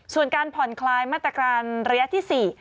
ส่วนการผ่อนคลายมาตรการระยะที่๔